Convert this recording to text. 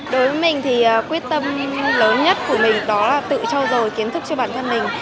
đối với mình thì quyết tâm lớn nhất của mình đó là tự trao dồi kiến thức cho bản thân mình